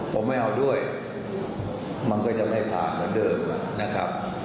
ผมไม่เอาด้วยมันก็จะไม่ผ่านเหมือนเดิมนะครับ